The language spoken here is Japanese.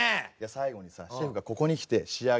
最後にさシェフがここに来て仕上げてくれんだって。